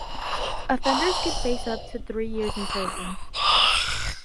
Offenders could face up to three years in prison.